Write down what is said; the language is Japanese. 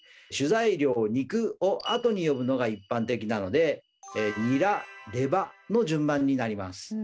材料肉を後に呼ぶのが一般的なので「ニラ」「レバ」の順番になります。